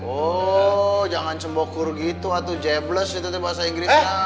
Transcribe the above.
oh jangan cembokur gitu atuh jebles itu tuh bahasa inggrisnya